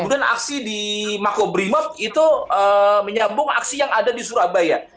kemudian aksi di makobrimob itu menyambung aksi yang ada di surabaya